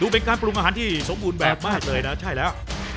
เป็นการปรุงอาหารที่สมบูรณ์แบบมากเลยนะใช่แล้ว